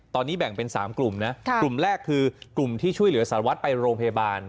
ตอนนี้แบ่งเป็น๓กลุ่มนะกลุ่มแรกคือกลุ่มที่ช่วยเหลือสารวัตรไปโรงพยาบาล